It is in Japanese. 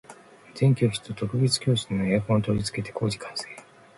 全教室と特別教室へのエアコン取り付け工事完成